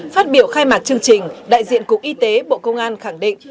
phát biểu khai mạc chương trình đại diện cục y tế bộ công an khẳng định